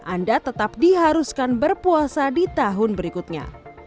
anda tetap diharuskan berpuasa di tahun berikutnya